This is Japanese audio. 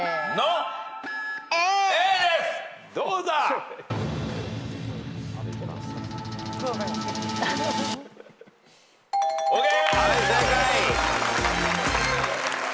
どうだ？ＯＫ！